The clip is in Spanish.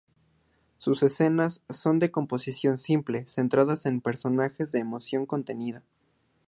Sus escenas son de composición simple, centradas en personajes de emoción contenida.